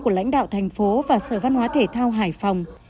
của lãnh đạo thành phố và sở văn hóa thể thao hải phòng